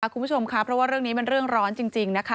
คุณผู้ชมค่ะเพราะว่าเรื่องนี้มันเรื่องร้อนจริงนะคะ